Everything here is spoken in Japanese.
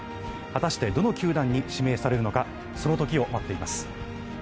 果たしてどの球団に指名されるのか、そのときを待っています。